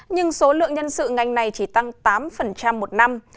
nhưng số lượng nhân sự ngành này chỉ tăng tám một năm